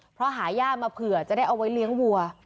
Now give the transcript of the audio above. เพราะหาย่ามาเผื่อจะได้เอาไว้เลี้ยงวัว